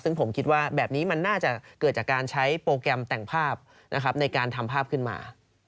ซึ่งผมคิดว่าแบบนี้มันน่าจะเกิดจากการใช้โปรแกรมแต่งภาพในการทำภาพขึ้นมา